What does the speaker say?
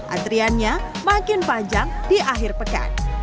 antriannya makin panjang di akhir pekan